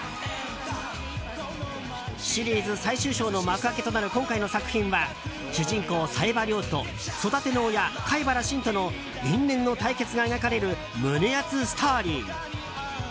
シリーズ最終章の幕開けとなる今回の作品は主人公・冴羽リョウと育ての親・海原神との因縁の対決が描かれる胸熱ストーリー。